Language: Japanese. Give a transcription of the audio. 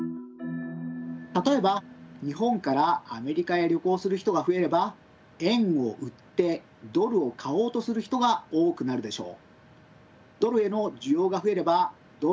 例えば日本からアメリカへ旅行する人が増えれば円を売ってドルを買おうとする人が多くなるでしょう。